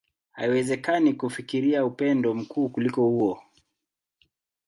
Haiwezekani kufikiria upendo mkuu kuliko huo.